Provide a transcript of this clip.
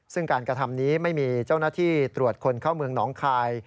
ซึ่งการกระทำนี้ไม่มีเจ้าหน้าที่ตรวจคนเข้าเมืองหนองคาย